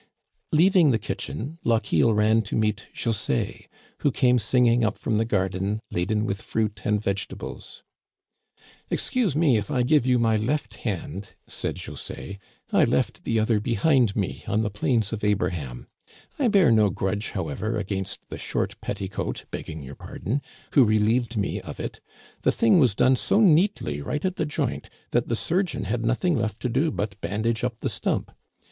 Leaving the kitchen, Lochiel ran to meet José, who came singing up from the garden, laden with fruit and vegetables. " Excuse me if I give you my left hand," said José ;" I left the other behind me on the Plains of Abraham. I bear no grudge, however, against the * short petticoat ' (begging your pardon) who relieved me of it. The thing was done so neatly right at the joint that the sur geon had nothing left to do but bandage up the stump.